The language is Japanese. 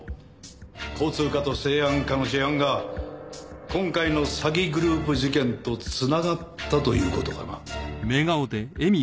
交通課と生安課の事案が今回の詐欺グループ事件とつながったということかな？